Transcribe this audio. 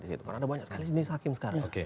karena ada banyak sekali jenis hakim sekarang